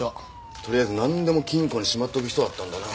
とりあえずなんでも金庫にしまっておく人だったんだな。